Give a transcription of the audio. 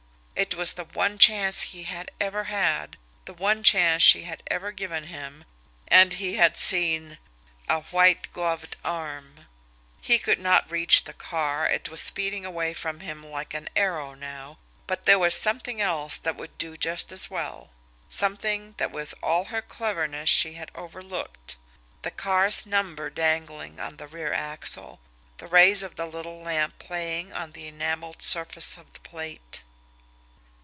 It was the one chance he had ever had, the one chance she had ever given him, and he had seen a white gloved arm! He could not reach the car, it was speeding away from him like an arrow now, but there was something else that would do just as well, something that with all her cleverness she had overlooked the car's number dangling on the rear axle, the rays of the little lamp playing on the enamelled surface of the plate!